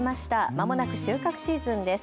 まもなく収穫シーズンです。